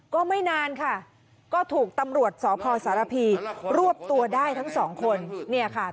ก็ไม่นานค่ะก็ถูกตำรวจสพสารพีรวบตัวได้ทั้งสองคนเนี่ยค่ะ